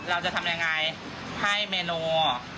เราจะทำยังไงให้เมนู